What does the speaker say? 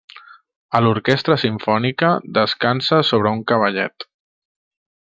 A l'orquestra simfònica descansa sobre un cavallet.